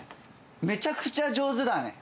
めちゃくちゃ上手だね。